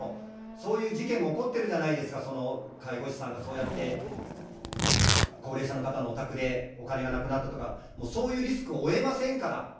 そういう事件も起こってるじゃないですか、その介護士さんがそうやって、高齢者の方のお宅でお金がなくなったとか、そういうリスクを負えませんから。